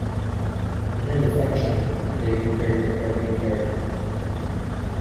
In terms of function, it may be compared to the protein keratin.